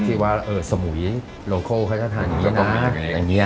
ที่ว่าสมุยโลโคเขาจะทานอย่างนี้